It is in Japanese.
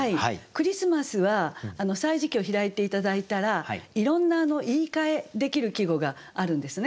クリスマスは「歳時記」を開いて頂いたらいろんな言い換えできる季語があるんですね。